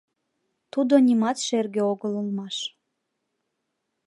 Тудо нимат шерге огыл улмаш